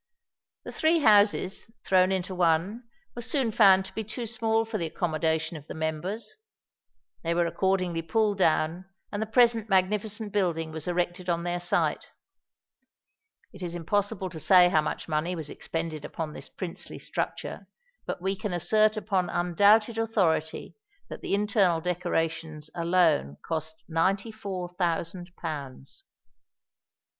The three houses, thrown into one, were soon found to be too small for the accommodation of the members: they were accordingly pulled down, and the present magnificent building was erected on their site. It is impossible to say how much money was expended upon this princely structure; but we can assert upon undoubted authority that the internal decorations alone cost ninety four thousand pounds!